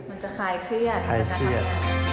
มันจะคล้ายเครียด